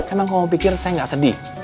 emang kamu pikir saya gak sedih